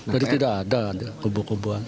jadi tidak ada kubu kubuan